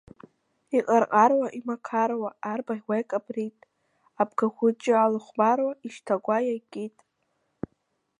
Иҟарҟаруа, имақаруа, арбаӷь уа икаԥрит, Абгахәыҷы алахәмаруа, ишьҭагәа иакит.